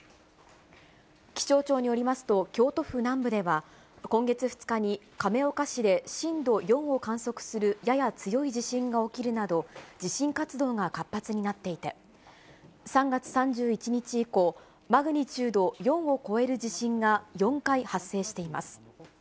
気象庁によりますと、京都府南部では、今月２日に亀岡市で震度４を観測するやや強い地震が起きるなど、地震活動が活発になっていて、３月３１日以降、マグニチュード４を超える地震が４回発生しています。